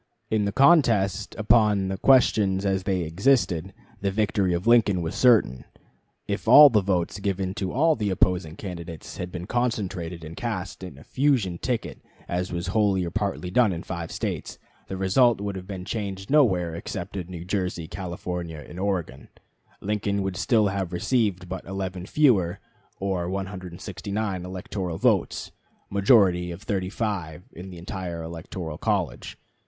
In the contest upon the questions as they existed, the victory of Lincoln was certain. If all the votes given to all the opposing candidates had been concentrated and cast for a "fusion ticket," as was wholly or partly done in five States, the result would have been changed nowhere except in New Jersey, California, and Oregon; Lincoln would still have received but 11 fewer, or 169 electoral votes majority of 35 in the entire electoral college.